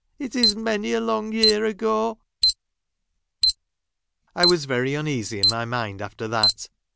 It is many a long year ago " I was very uneasy in my mind after that.